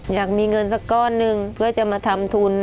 อยากมีเงินสักก้อนหนึ่งเพื่อจะมาทำทุน